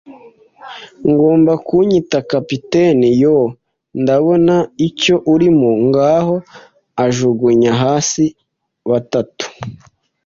ngomba kunyita capitaine. Yoo, ndabona icyo urimo - ngaho ”; ajugunya hasi batatu